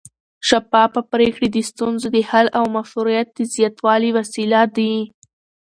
شفافه پرېکړې د ستونزو د حل او مشروعیت د زیاتوالي وسیله دي